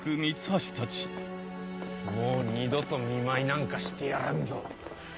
もう二度と見舞いなんかしてやらんぞ。